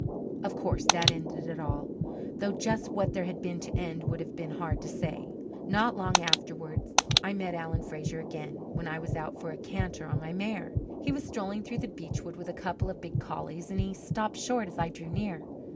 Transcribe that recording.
Of course that ended it all though just what there had been to end would have been hard to say. Not long afterwards I met Alan Fraser again, when I was out for a canter on my mare. He was strolling through the beech wood with a couple of big collies, and he stopped short as I drew near.